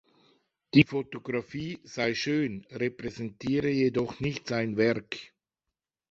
Die Fotografie sei schön, repräsentiere jedoch nicht sein Werk.